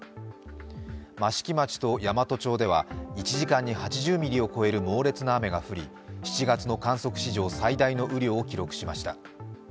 益城町と山都町では、１時間に８０ミリを超える猛烈な雨が降り、７月の観測史上最大の雨量を記録しました。